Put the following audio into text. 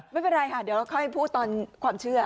ไม่เป็นไรค่ะเดี๋ยวเราค่อยพูดตอนความเชื่อ